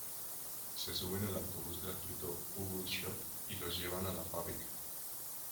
Se suben al autobús gratuito Bubble Shock y los llevan a la fábrica.